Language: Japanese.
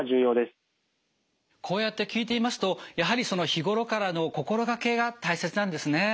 こうやって聞いていますとやはり日頃からの心がけが大切なんですね。